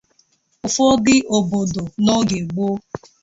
N'ụfọdụ obodo n'oge gboo